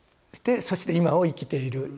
そして今を生きている。